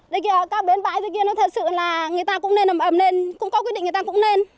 đây kìa các bến bãi dưới kia nó thật sự là người ta cũng nên nằm ẩm lên cũng có quyết định người ta cũng nên